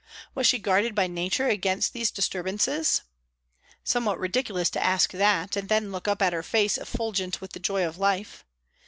Was she guarded by nature against these disturbances? Somewhat ridiculous to ask that, and then look up at her face effulgent with the joy of life.